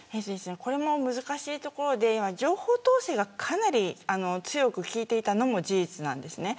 これも難しいところで今、情報統制がかなり強く効いていたのも事実です。